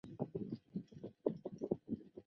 玉祖神社是位在日本山口县防府市的神社。